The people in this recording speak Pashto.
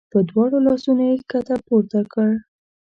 په دواړو لاسونو یې ښکته پورته کړ.